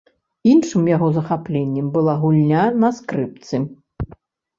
Іншым яго захапленнем была гульня на скрыпцы.